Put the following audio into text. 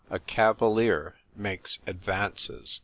A CAVALIER MAKES ADVANCES.